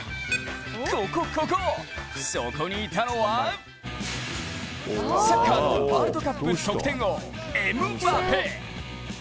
ここここ、そこにいたのはサッカーのワールドカップ得点王・エムバペ。